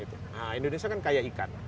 indonesia kan kaya ikan